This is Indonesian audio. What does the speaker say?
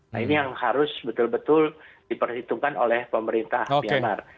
nah ini yang harus betul betul diperhitungkan oleh pemerintah myanmar